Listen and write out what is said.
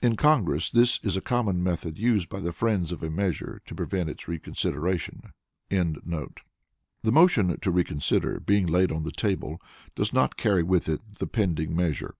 [In Congress this is a common method used by the friends of a measure to prevent its reconsideration.] The motion to reconsider being laid on the table does not carry with it the pending measure.